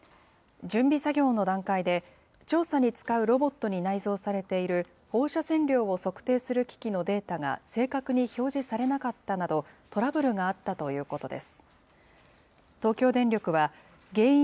準備作業の段階で、調査に使うロボットに内蔵されている放射線量を測定する機器のデータが正確に表示されなかったなど、トラブルがあったということ